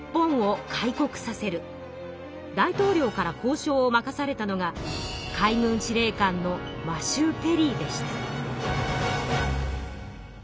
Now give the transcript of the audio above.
大統領から交しょうを任されたのが海軍司令官のマシュー・ペリーでした。